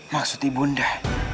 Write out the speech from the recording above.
maksud ibu bunda